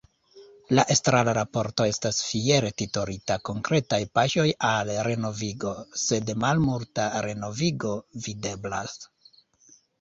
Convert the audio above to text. La Estrara Raporto estas fiere titolita “Konkretaj paŝoj al renovigo”, sed malmulta renovigo videblas.